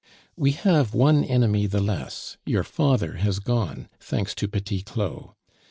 "We have one enemy the less. Your father has gone, thanks to Petit Claud.